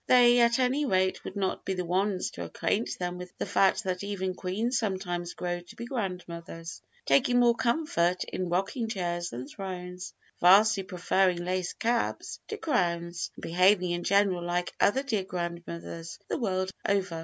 They, at any rate, would not be the ones to acquaint them with the fact that even queens sometimes grow to be grandmothers, taking more comfort in rocking chairs than thrones, vastly preferring lace caps to crowns, and behaving in general like other dear grandmothers the world over.